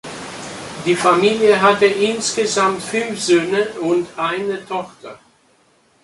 Die Familie hatte insgesamt fünf Söhne und eine Tochter.